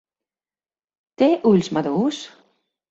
Té ulls madurs?